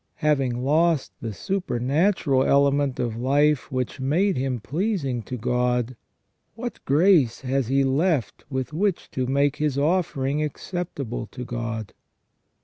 Having lost the supernatural element of life which made him pleasing to God, what grace has he left with which to make his offering acceptable to God?